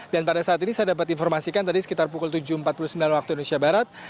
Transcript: dan pada saat ini saya dapat informasikan tadi sekitar pukul tujuh empat puluh sembilan waktu indonesia barat